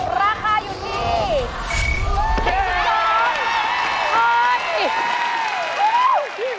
ราคาอยู่ที่